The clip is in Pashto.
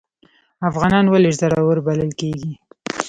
افغانان ولې زړور بلل کیږي؟